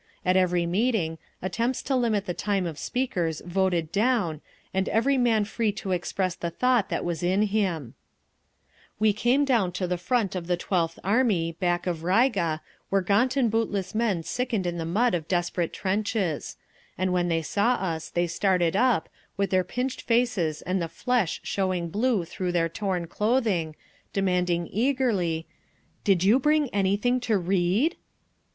At every meeting, attempts to limit the time of speakers voted down, and every man free to express the thought that was in him…. See Notes and Explanations. We came down to the front of the Twelfth Army, back of Riga, where gaunt and bootless men sickened in the mud of desperate trenches; and when they saw us they started up, with their pinched faces and the flesh showing blue through their torn clothing, demanding eagerly, "Did you bring anything to _read?"